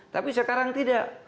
tapi sekarang tidak